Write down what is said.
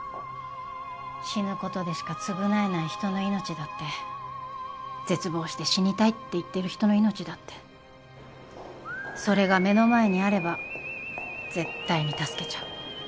死ぬ事でしか償えない人の命だって絶望して死にたいって言ってる人の命だってそれが目の前にあれば絶対に助けちゃう。